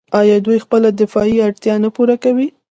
آیا دوی خپله دفاعي اړتیا نه پوره کوي؟